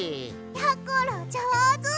やころじょうず！